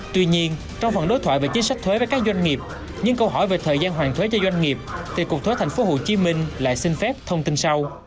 tuy nhiên trong phần đối thoại về chính sách thuế với các doanh nghiệp những câu hỏi về thời gian hoàn thuế cho doanh nghiệp thì cục thuế tp hcm lại xin phép thông tin sau